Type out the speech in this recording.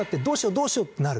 どうしよう？ってなる。